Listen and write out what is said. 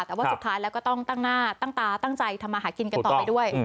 แต่ว่าสุดท้ายแล้วก็ต้องตั้งหน้าตั้งตาตั้งใจทำมาหากินกันต่อไปด้วย